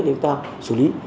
để chúng ta xử lý